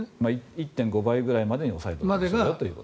１．５倍ぐらいまでに抑えてくださいよと。